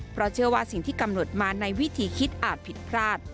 เพราะเชื่อว่าสิ่งที่กำหนดมาในวิธีคิดอาจผิดพลาด